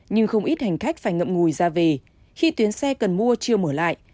nhưng không ít hành khách phải ngậm ngùi ra về khi tuyến xe cần mua chưa mở lại